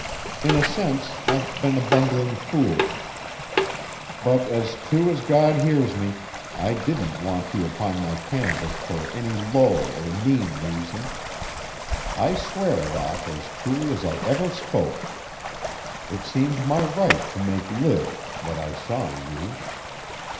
In a sense, I've been a bungling fool; but as true as God hears me, I didn't want you upon my canvas for any low or mean reason. I swear that as truly as I ever spoke. It seemed my right to make live what I saw in you.